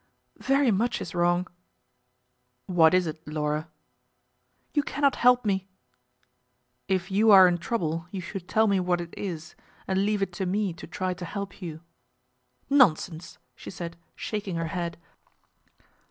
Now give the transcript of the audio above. "Very much is wrong." "What is it, Laura?" "You cannot help me." "If you are in trouble you should tell me what it is, and leave it to me to try to help you." "Nonsense!" she said, shaking her head.